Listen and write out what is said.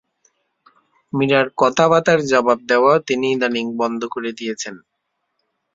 মীরার কথাবাতাঁর জবাব দেওয়াও তিনি ইদানীং বন্ধ করে দিয়েছেন।